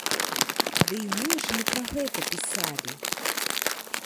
Дый мы ж не пра гэта пісалі!